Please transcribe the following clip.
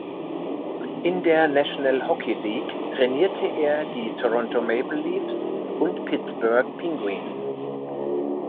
In der National Hockey League trainierte er die Toronto Maple Leafs und Pittsburgh Penguins.